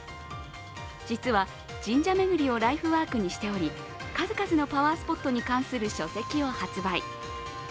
実は神社巡りをライフワークにしており数々のパワースポットに関する書籍を発売。